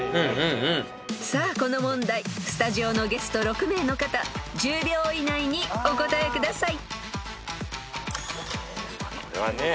［さあこの問題スタジオのゲスト６名の方１０秒以内にお答えください］